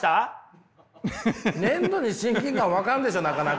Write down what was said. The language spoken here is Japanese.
粘土に親近感湧かんでしょなかなか。